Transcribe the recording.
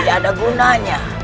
tidak ada gunanya